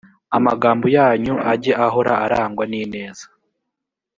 amagambo yanyu ajye ahora arangwa n ineza